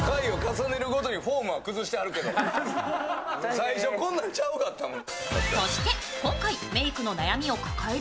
最初こんなんちゃうかったもん。